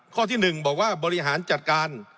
ข้อที่๑บอกว่าบริหารจัดการ